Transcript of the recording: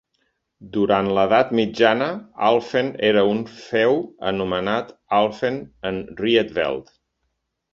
Durant l'edat mitjana, Alphen era un feu anomenat Alphen en Rietveld.